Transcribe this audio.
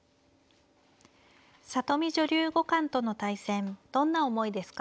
里見女流五冠との対戦どんな思いですか。